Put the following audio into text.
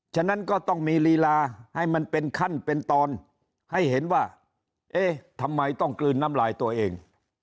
ฉะนั้นก็ต้องมีลีลาให้มันเป็นขั้นเป็นตอนให้เห็นว่าเอ๊ะทำไมต้องกลืนน้ำลายตัวเอง